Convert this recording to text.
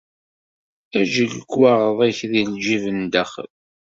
Eǧǧ lekwaɣeḍ-ik deg lǧib n daxel.